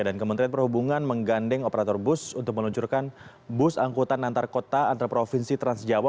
dan kementerian perhubungan menggandeng operator bus untuk meluncurkan bus angkutan antar kota antar provinsi trans jawa